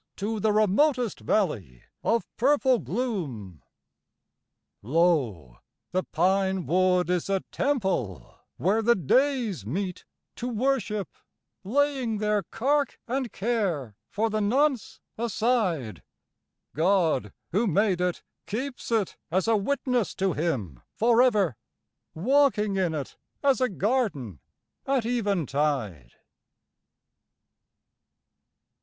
To the remotest valley of purple gloom. Lo ! the pine wood is a temple where the days meet to worship, Laying their cark and care for the nonce aside, God, who made it, keeps it as a witness to Him for ever, Walking in it, as a garden, at eventide.